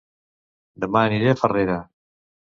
Dema aniré a Farrera